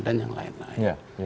dan yang lain lain